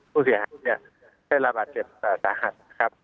ผู้เสียหายเนี่ยเป็นระบาดเจ็บสาหัสครับ